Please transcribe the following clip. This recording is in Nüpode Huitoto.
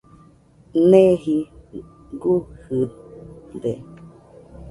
Neeji gujɨde.